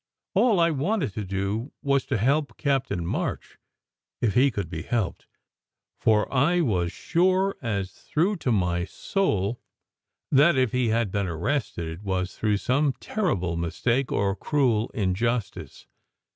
All I wanted to do was to help Captain March if he could be helped ; for I was sure all through to my soul that, if he had been arrested, it was through some terrible mistake or cruel injustice.